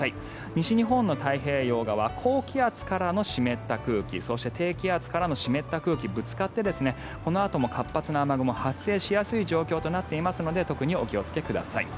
西日本の太平洋側高気圧からの湿った空気そして低気圧からの湿った空気がぶつかってこのあとも活発な雨雲が発生しやすい状況となっていますので特にお気をつけください。